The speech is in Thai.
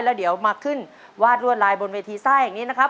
แล้วเดี๋ยวมาขึ้นวาดรวดลายบนเวทีซ่าอย่างนี้นะครับ